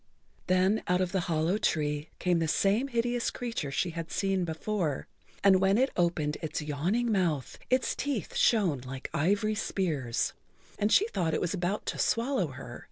Then out of the hollow tree came the same hideous creature she had seen before, and when it opened its yawning mouth its teeth shone like ivory spears, and she thought it was about to swallow her.